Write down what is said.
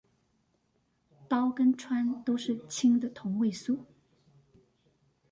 氘跟氚都是氫的同位素